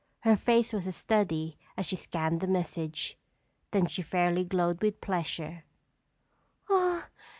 Her face was a study as she scanned the message. Then she fairly glowed with pleasure.